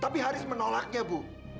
tapi haris menolaknya bu